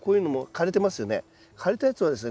枯れたやつはですね